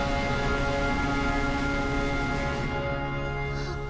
あっ。